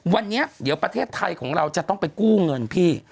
วันนี้เดี๋ยวประเทศไทยของเราจะต้องไปกู้เงินพี่